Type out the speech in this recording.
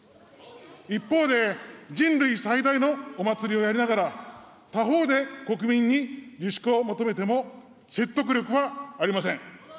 一方で、人類最大のお祭りをやりながら、他方で国民に自粛を求めても、説得力はありません。